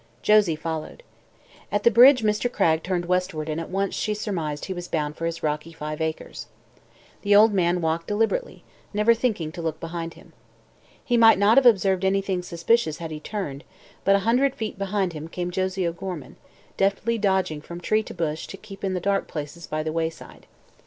Josie followed. At the bridge Mr. Cragg turned westward and at once she surmised he was bound for his rocky five acres. The old man walked deliberately, never thinking to look behind him. He might not have observed anything suspicious had he turned, but a hundred feet behind him came Josie O'Gorman, deftly dodging from tree to bush to keep in the dark places by the wayside.